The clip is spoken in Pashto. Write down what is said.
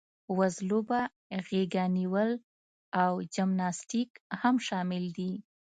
وزلوبه، غېږه نیول او جمناسټیک هم شامل دي.